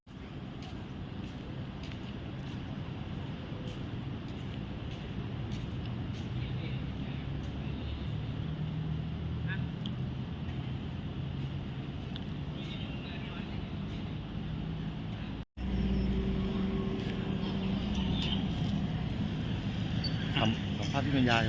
อันที่สุดท้ายก็คือภาษาอันที่สุดท้าย